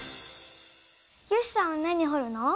よしさんは何ほるの？